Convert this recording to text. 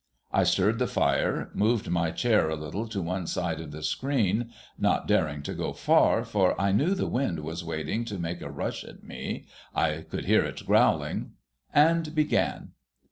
I stirred the fire, moved my chair a little to one side of the screen, — not daring to go far, for I knew the wind was waiting to make a rush at me, I could hear it growling, — and began.